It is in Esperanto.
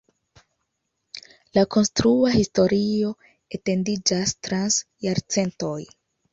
La konstrua historio etendiĝas trans jarcentoj.